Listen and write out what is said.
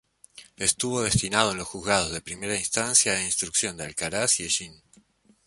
Estuvo destinado en los Juzgados de Primera Instancia e Instrucción de Alcaraz y Hellín.